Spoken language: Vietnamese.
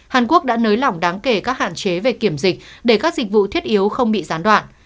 hàn quốc đã nới lỏng đáng kể các hạn chế về kiểm dịch để các dịch vụ thiết yếu không bị gián đoạn